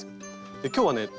で今日はね